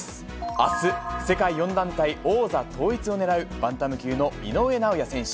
あす、世界４団体王座統一を狙うバンタム級の井上尚弥選手。